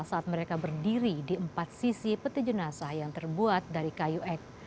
saat mereka berdiri di empat sisi peti jenazah yang terbuat dari kayu ek